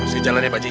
sialan ya pak haji